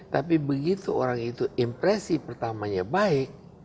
tapi begitu orang itu impresi pertamanya baik